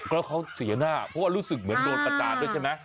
แล้วเขาเสียหน้าเพราะว่ารู้สึกเหมือนโดนประจานด้วยใช่ไหม